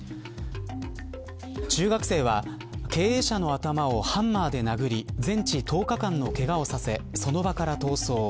中学生は経営者の頭をハンマーで殴り全治１０日間のけがをさせその場から逃走。